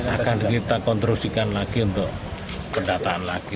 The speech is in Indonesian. akan kita kontrusikan lagi untuk pendataan lagi